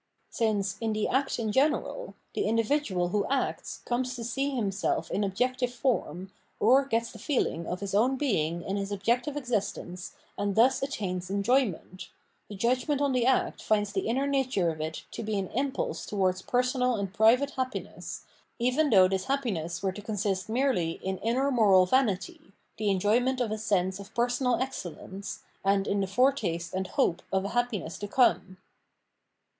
Since, in the act in^ general, the individual who acts comes to see himself in objective form, or gets the feeling of his 675 Evil and Forgiveness own being in his objective existence and thus attains enjoyment, the judgment on the act finds the inner nature of it to be an impulse towards personal and private happiness, even though this happiness were to consist merely in inner moral vanity, the enjoyment of a sense of personal excellence, and in the foretaste and hope of a happiness to come.